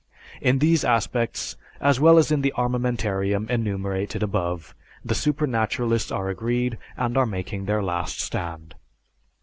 In these aspects as well as in the armamentarium enumerated above, the supernaturalists are agreed and are making their last stand.